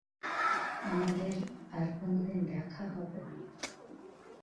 আমাদের আর কোনদিন দেখা হবেনা।